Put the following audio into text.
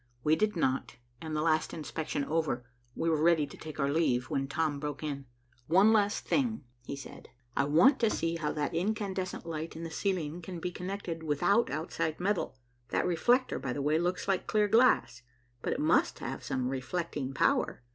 We did not, and the last inspection over, we were ready to take our leave, when Tom broke in. "One last thing," he said; "I want to see how that incandescent light in the ceiling can be connected without outside metal. That reflector, by the way, looks like clear glass, but it must have some reflecting power."